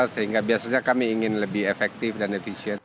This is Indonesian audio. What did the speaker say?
sehingga biasanya kami ingin lebih efektif dan efisien